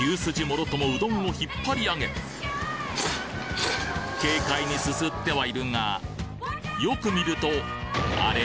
もろともうどんを引っ張り上げ軽快にすすってはいるがよく見るとあれ？